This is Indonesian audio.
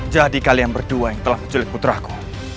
jadi kalian berdua yang telah menculik putra aku